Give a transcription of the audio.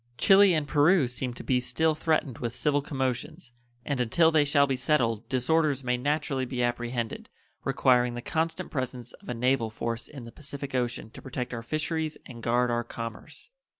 Chili and Peru seem to be still threatened with civil commotions, and until they shall be settled disorders may naturally be apprehended, requiring the constant presence of a naval force in the Pacific Ocean to protect our fisheries and guard our commerce.